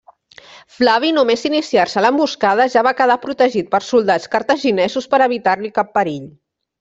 Flavi, només iniciar-se l'emboscada, ja va quedar protegit per soldats cartaginesos per evitar-li cap perill.